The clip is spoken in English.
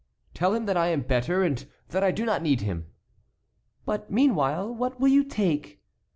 "Tell him that I am better and that I do not need him." "But, meanwhile, what will you take?"